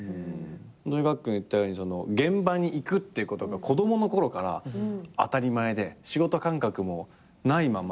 がっくんが言ったように現場に行くってことが子供のころから当たり前で仕事感覚もないまま。